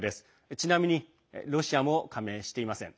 ちなみにロシアも加盟していません。